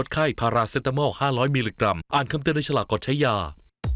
เกิดเรื่องแล้วพี่แทน